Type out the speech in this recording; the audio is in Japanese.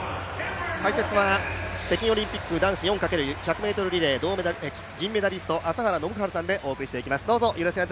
解説は北京リンピック男子４×１００ｍ銅メダリスト朝原宣治さんでお送りしていきます。